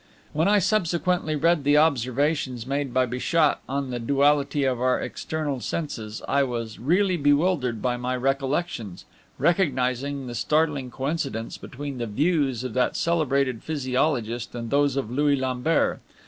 When I subsequently read the observations made by Bichat on the duality of our external senses, I was really bewildered by my recollections, recognizing the startling coincidences between the views of that celebrated physiologist and those of Louis Lambert.